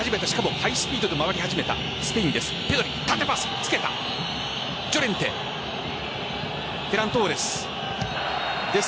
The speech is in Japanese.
ハイスピードで回り始めたスペインです。